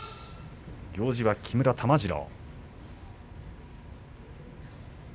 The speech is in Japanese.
行司は木村玉治郎。